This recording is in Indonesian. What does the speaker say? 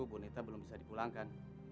bu nita belum bisa dipulangkan